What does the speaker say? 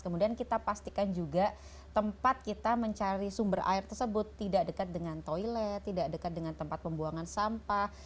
kemudian kita pastikan juga tempat kita mencari sumber air tersebut tidak dekat dengan toilet tidak dekat dengan tempat pembuangan sampah